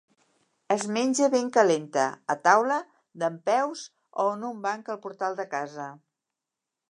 Es menja ben calenta, a taula, dempeus o en un banc al portal de casa.